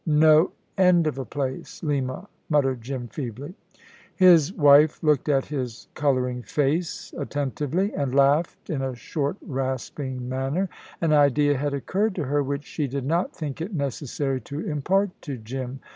"No end of a place, Lima," muttered Jim, feebly. His wife looked at his colouring face attentively, and laughed in a short, rasping manner. An idea had occurred to her which she did not think it necessary to impart to Jim.